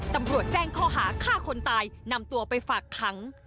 ตำรวจแจ้งข้อหาฆ่าคนตายนำตัวไปฝากขัง